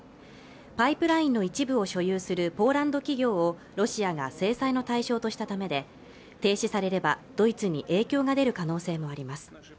パイプラインの一部を所有するポーランド企業をロシアが制裁の対象としたためで停止されればドイツに影響が出る可能性もあります